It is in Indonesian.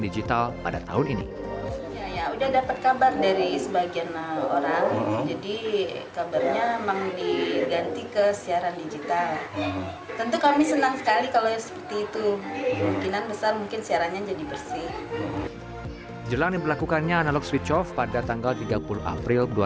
jelang yang berlakukannya analog switch off pada tanggal tiga puluh april dua ribu dua puluh dua